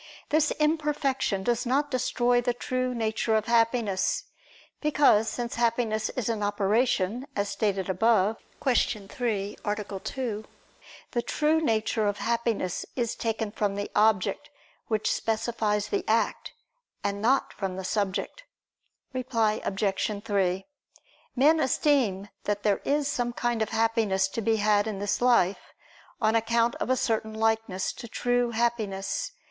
This imperfection does not destroy the true nature of Happiness; because, since Happiness is an operation, as stated above (Q. 3, A. 2), the true nature of Happiness is taken from the object, which specifies the act, and not from the subject. Reply Obj. 3: Men esteem that there is some kind of happiness to be had in this life, on account of a certain likeness to true Happiness.